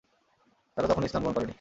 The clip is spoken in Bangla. তারা তখনও ইসলাম গ্রহণ করেনি।